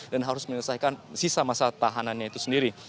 dan harus menyelesaikan sisa masa tahanannya itu sendiri